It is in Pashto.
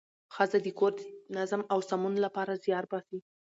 ښځه د کور د نظم او سمون لپاره زیار باسي